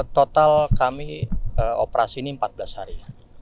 total kami operasi ini empat belas hari